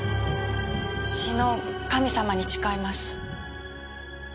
詩の神様に誓います。